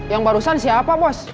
yang barusan siapa bos